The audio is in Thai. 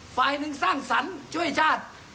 ฝ่ายหนึ่งสร้างสรรค์ช่วยชาติ